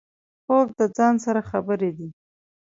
خوب د ځان سره خبرې دي